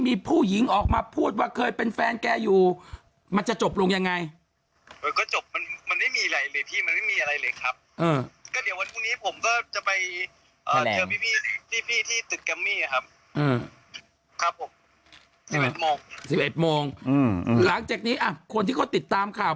โมงสิบเอ็ดโมงอืมหลังจากนี้อ่ะคนที่ก็ติดตามข่าว